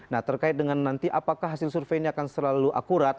nah terkait dengan nanti apakah hasil survei ini akan selalu akurat